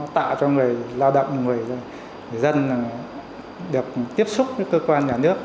tạo cho người lao động người dân được tiếp xúc với cơ quan nhà nước